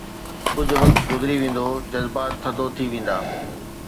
ڪجهه وقت گذري ويندو، جذبات ٿڌو ٿي ويندا.